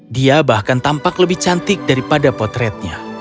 dia bahkan tampak lebih cantik daripada potretnya